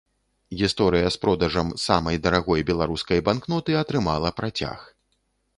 Гісторыя з продажам самай дарагой беларускай банкноты атрымала працяг.